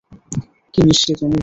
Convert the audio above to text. কি মিষ্টি তুমি।